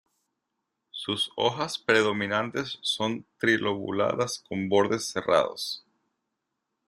Sus hojas predominantes son trilobuladas con bordes serrados.